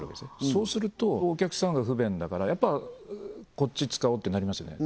そうするとお客さんが不便だからやっぱこっち使おうってなりますよね